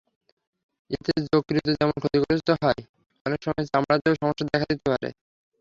এতে যকৃত্ যেমন ক্ষতিগ্রস্ত হয়, অনেক সময় চামড়াতেও সমস্যা দেখা দিতে পারে।